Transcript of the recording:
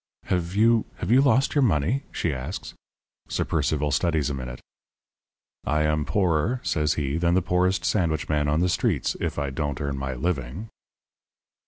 "'Have you have you lost your money?' she asks. "Sir Percival studies a minute. "'I am poorer,' says he, 'than the poorest sandwich man on the streets if I don't earn my living.'